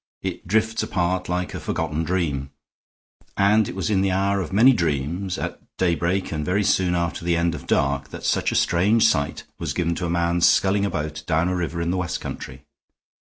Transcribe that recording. It drifts apart like a forgotten dream; and it was in the hour of many dreams, at daybreak and very soon after the end of dark, that such a strange sight was given to a man sculling a boat down a river in the West country.